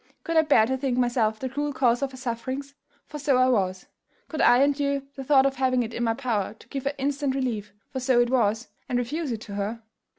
could I bear to think myself the cruel cause of her sufferings? for so I was: could I endure the thought of having it in my power to give her instant relief, for so it was, and refuse it her?